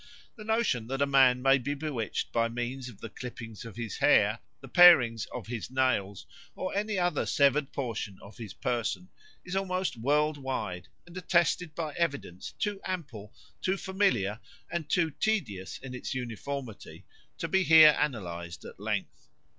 The notion that a man may be bewitched by means of the clippings of his hair, the parings of his nails, or any other severed portion of his person is almost world wide, and attested by evidence too ample, too familiar, and too tedious in its uniformity to be here analysed at length.